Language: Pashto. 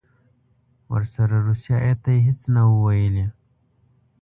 ورسره روسي هیات ته یې هېڅ نه وو ویلي.